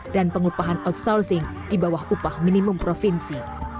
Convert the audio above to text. dan pengupahan outsourcing di bawah upah minimum provinsi